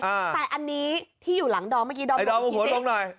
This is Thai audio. แต่อันนี้ที่อยู่หลังดอมเมื่อกี้ดอมโหลงหน่อย